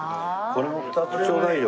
これも２つちょうだいよ。